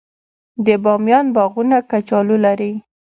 د بامیان باغونه کچالو لري.